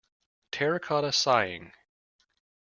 Terracotta sighing.